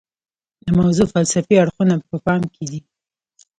د موضوع فلسفي اړخونه په پام کې دي.